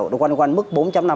được quanh quanh mức bốn năm